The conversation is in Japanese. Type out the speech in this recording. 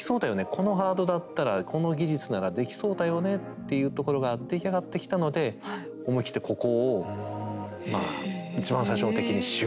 このハードだったらこの技術ならできそうだよねっていうところが出来上がってきたので思い切ってここをまあ一番最初の敵にしようと。